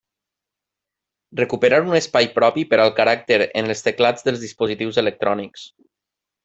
Recuperar un espai propi per al caràcter en els teclats dels dispositius electrònics.